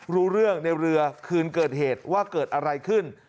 รู้เรื่องในเรือคืนเกิดเหตุว่าเกิดอะไรขึ้น